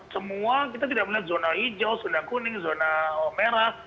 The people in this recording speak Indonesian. semua kita tidak melihat zona hijau zona kuning zona merah